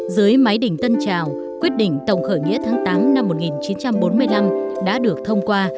dưới máy đỉnh tân trào quyết định tổng khởi nghĩa tháng tám năm một nghìn chín trăm bốn mươi năm đã được thông qua